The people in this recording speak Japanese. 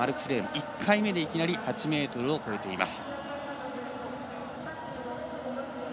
１回目でいきなり８ｍを越えています。